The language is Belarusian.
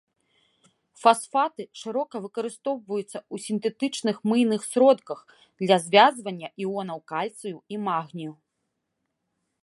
Фасфаты шырока выкарыстоўваюцца ў сінтэтычных мыйных сродках для звязвання іонаў кальцыю і магнію.